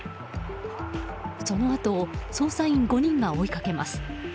そのあとを捜査員５人が追いかけます。